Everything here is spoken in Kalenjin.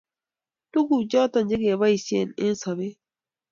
Tuguk choto chegeboishe eng sobet